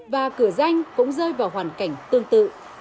và cửa danh cũng rơi vào hoàn cảnh tương tự